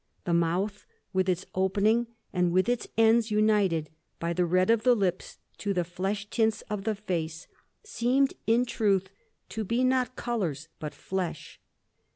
The mouth, with its opening, and with its ends united by the red of the lips to the flesh tints of the face, seemed, in truth, to be not colours but flesh.